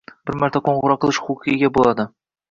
«bir marta qo‘ng‘iroq qilish» huquqiga ega bo‘ladi.